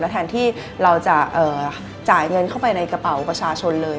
แทนที่เราจะจ่ายเงินเข้าไปในกระเป๋าประชาชนเลย